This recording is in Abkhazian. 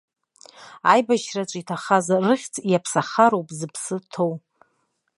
Аибашьраҿы иҭахаз рыхьӡ иаԥсахароуп зыԥсы ҭоу.